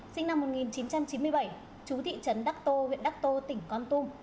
sinh năm một nghìn chín trăm chín mươi bảy chú thị trấn đắc tô huyện đắc tô tỉnh con tum